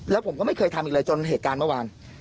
แล้วผมก็ไม่เคยทำอีกเลยจนเหตุการณ์เมื่อวาน